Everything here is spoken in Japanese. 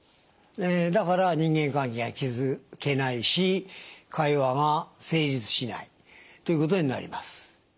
だから人間関係が築けないし会話が成立しないということになります。